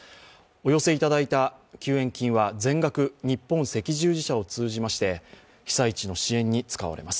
お寄せいただいた救援金は全額、日本赤十字社を通じまして被災地の支援に使われます。